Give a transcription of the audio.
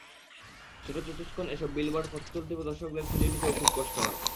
ছোট চতুষ্কোণ এসব বিলবোর্ড পথচলতি দর্শকের খুঁজে নিতেও খুব কষ্ট হয়।